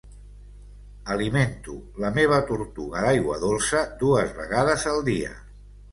Alimento la meva tortuga d'aigua dolça dues vegades al dia.